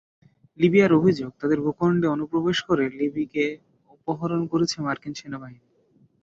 লিবিয়ার অভিযোগ, তাদের ভূখণ্ডে অনুপ্রবেশ করে লিবিকে অপহরণ করেছে মার্কিন বাহিনী।